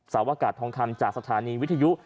สาวอากาศทองคำจากสถานีวิทยุ